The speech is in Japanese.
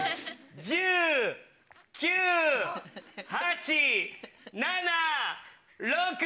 １０・９・８・７・６。